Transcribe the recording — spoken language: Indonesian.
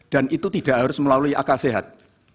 dan itu tidak harus melalui akal sehat